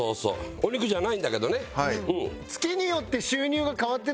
お肉じゃないんだけどね。